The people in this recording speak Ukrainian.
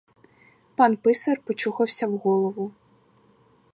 Пан писар почухався в голову.